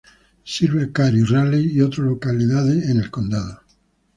Sirve a Cary, Raleigh, y otros localidades en el condado.